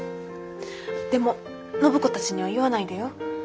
でも暢子たちには言わないでよ。